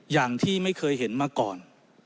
อย่างที่ไม่เคยเห็นมาก่อน